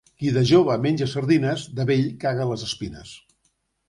Qui de jove menja sardines, de vell caga les espines.